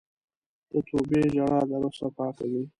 د توبې ژړا د روح صفا کوي.